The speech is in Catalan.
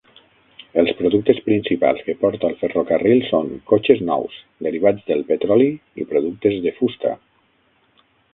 Els productes principals que porta el ferrocarril són cotxes nous, derivats del petroli i productes de fusta.